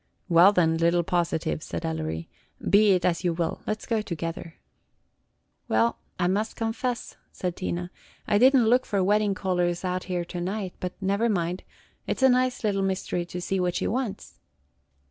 "Well, then, little positive," said Ellery, "be it as you will; let 's go together." "Well, I must confess," said Tina, "I did n't look for wedding callers out here to night; but never mind, it 's a nice little mystery to see what she wants."